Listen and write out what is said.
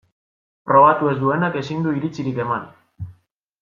Probatu ez duenak ezin du iritzirik eman.